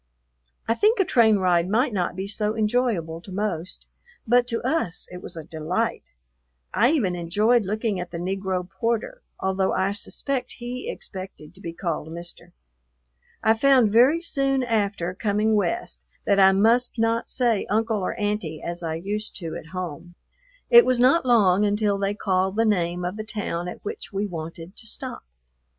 I think a train ride might not be so enjoyable to most, but to us it was a delight; I even enjoyed looking at the Negro porter, although I suspect he expected to be called Mister. I found very soon after coming West that I must not say "Uncle" or "Aunty" as I used to at home. It was not long until they called the name of the town at which we wanted to stop.